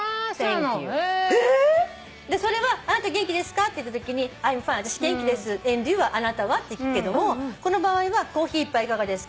それは「あなた元気ですか？」って言ったときに「Ｉ’ｍｆｉｎｅ」「私元気です」「Ａｎｄｙｏｕ？」は「あなたは？」って聞くけどもこの場合は「コーヒー一杯いかがですか？」